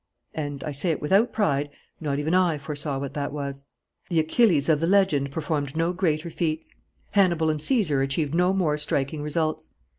And, I say it without pride, not even I foresaw what that was. The Achilles of the legend performed no greater feats. Hannibal and Caesar achieved no more striking results.